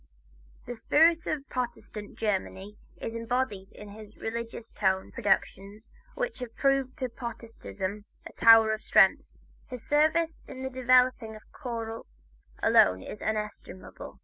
The spirit of Protestant Germany is embodied in his religious tone productions which have proved to Protestantism a tower of strength. His service in developing the choral alone is inestimable.